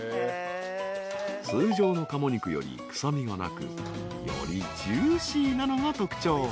［通常のカモ肉より臭みがなくよりジューシーなのが特徴］